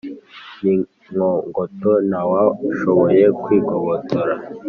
n’inkogoto ntawashoboye kwigobotora